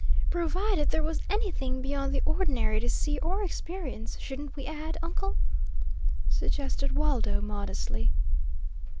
"Provided there was anything beyond the ordinary to see or experience, shouldn't we add, uncle?" suggested Waldo, modestly.